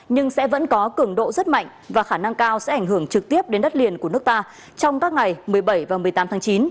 nhưng sẽ vẫn có cường độ rất mạnh và khả năng cao sẽ ảnh hưởng trực tiếp đến đất liền của nước ta trong các ngày một mươi bảy và một mươi tám tháng chín